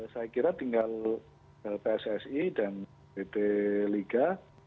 saya kira tinggal pssi dan pt liga